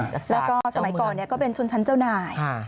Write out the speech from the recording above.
แล้วก็สมัยก่อนก็เป็นชนชั้นเจ้านาย